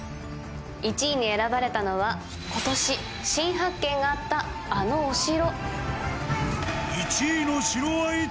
１位に選ばれたのは今年、新発見があったあのお城。